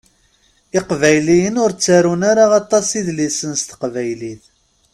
Iqbayliyen ur ttarun ara aṭas idlisen s teqbaylit.